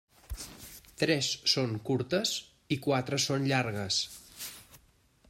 Tres són curtes i quatre són llargues.